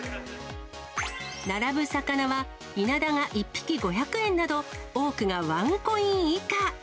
並ぶ魚は、イナダが１匹５００円など、多くがワンコイン以下。